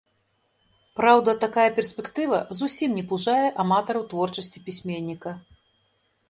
Праўда, такая перспектыва зусім не пужае аматараў творчасці пісьменніка.